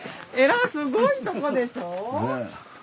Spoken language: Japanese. すごいとこでしょ。